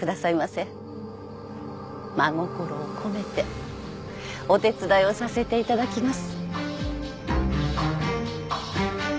真心を込めてお手伝いをさせていただきます。